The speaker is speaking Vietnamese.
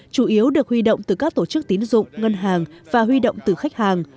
chủ yếu được huy động từ các tổ chức tín dụng ngân hàng và huy động từ khách hàng